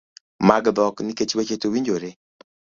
mag dhok nikech weche to winjore